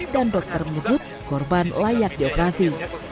dan dokter menyebut korban operasi